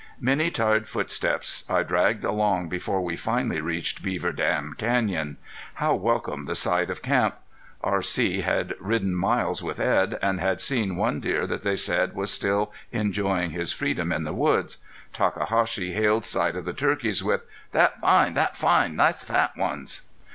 Many tired footsteps I dragged along before we finally reached Beaver Dam Canyon. How welcome the sight of camp! R.C. had ridden miles with Edd, and had seen one deer that they said was still enjoying his freedom in the woods. Takahashi hailed sight of the turkeys with: "That fine! That fine! Nice fat ones!"